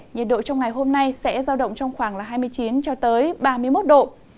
nhiệt độ trong ngày hôm nay sẽ giao động trong khoảng hai mươi chín ba mươi một độ